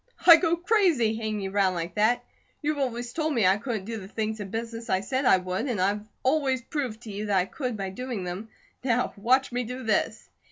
I'd go crazy hanging around like that. You've always told me I couldn't do the things in business I said I would; and I've always proved to you that I could, by doing them. Now watch me do this."